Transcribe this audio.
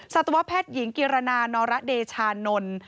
สัตวแพทย์หญิงกิรณานอรเดชานนท์